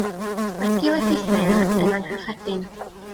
Mae sgil-effeithiau yn anghyffredin.